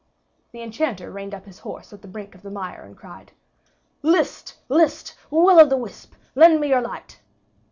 The Enchanter reined up his horse at the brink of the mire, and cried, "List! List! Will o' the Wisp, Lend me your light."